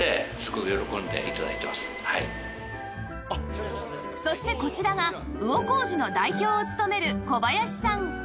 そしてこちらが魚小路の代表を務める小林さん